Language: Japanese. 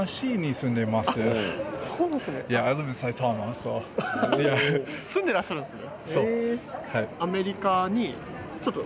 住んでらっしゃるんですね。